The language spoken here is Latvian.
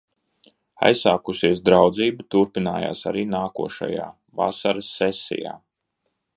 Aizsākusies draudzība turpinājās arī nākošajā, vasaras sesijā.